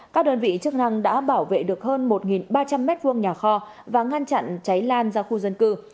các đơn vị chức năng đã bảo vệ được hơn một ba trăm linh m hai nhà kho và ngăn chặn cháy lan ra khu dân cư